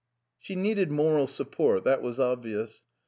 " She needed moral support. That was obvious.